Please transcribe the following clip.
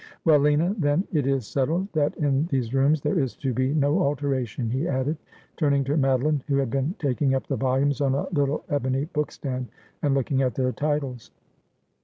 Well, Lina, then it is set tled that in these rooms there is to be no alteration,' he added, turning to Madoline, who had been taking up the volumes on a little ebony bookstand and looking at their titles.